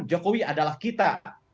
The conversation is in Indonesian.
jokowi adalah kita